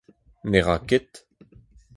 Ne ra ket.